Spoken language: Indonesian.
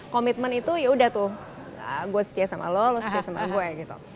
commitment itu yaudah tuh gue setia sama lo lo setia sama gue gitu